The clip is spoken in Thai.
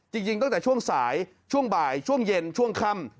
จริงตั้งแต่ช่วงสายช่วงบ่ายช่วงเย็นช่วงค่ำ